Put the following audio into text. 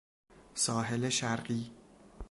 ساحل شرقی